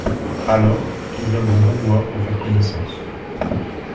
Alors ils viendront vous voir pour faire connaissance.